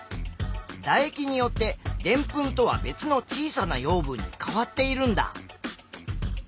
だ液によってでんぷんとは別の小さな養分に変わっているんだ。